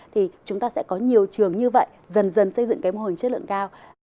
thì chúng ta sẽ có nhiều trường như vậy dần dần xây dựng cái mô hình chất lượng cao